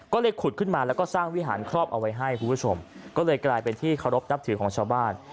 ก็เลยขุดขึ้นมาแล้วก็สร้างวิหารครอบเอาไว้ให้คุณผู้ชมก็เลยกลายเป็นที่เคารพนับถือของชาวบ้าน